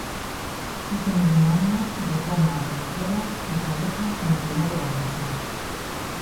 Ese mismo año retorna a Venezuela y fallece en la ciudad de Valencia.